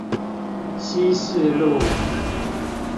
西勢路